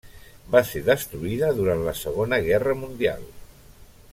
Va ser destruïda durant la Segona Guerra Mundial.